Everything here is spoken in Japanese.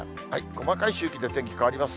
細かい周期で天気変わりますね。